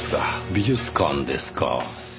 美術館ですか。